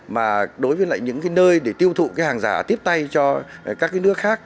mà đối với lại những nơi để tiêu thụ hàng giả tiếp tay cho các nước khác